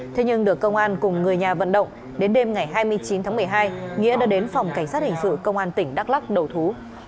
thế nhưng được công an cùng người nhà vận động đến đêm ngày hai mươi chín tháng một mươi hai nghĩa đã đến phòng cảnh sát hình sự công an tỉnh đắk lắc đầu thú